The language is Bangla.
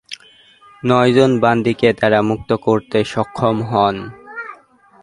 নয়জন বন্দীকে তারা মুক্ত করতে সক্ষম হন।